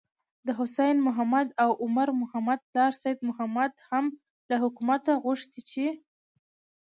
د حسين محمد او عمر محمد پلار سيد محمد هم له حکومته غوښتي چې: